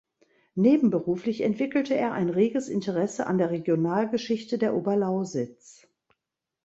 Nebenberuflich entwickelte er ein reges Interesse an der Regionalgeschichte der Oberlausitz.